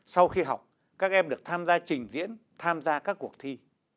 sau khi học các em được tham gia trình diễn tham gia các cuộc thi